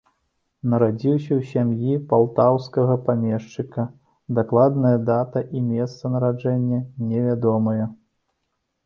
Нарадзіўся ў сям'і палтаўскага памешчыка, дакладная дата і месца нараджэння невядомыя.